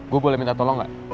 gue boleh minta tolong gak